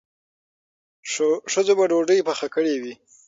ښځو به ډوډۍ پخ کړې وي.